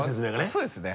そうですね。